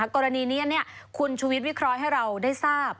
กรณีนี้คุณชุวิตวิเคราะห์ให้เราได้ทราบ